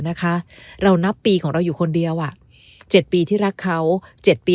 นะคะเรานับปีของเราอยู่คนเดียวอ่ะ๗ปีที่รักเขา๗ปี